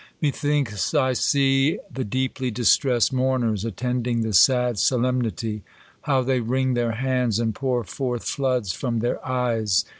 Methinks I see the deeply distressed mourners attending the sad solem nity. How they wring their hands, and pour forth floods from their eyes